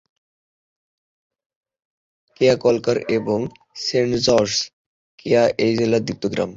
কেয়া কলকার এবং saint George's কেয়া এই জেলার দ্বীপ গ্রাম।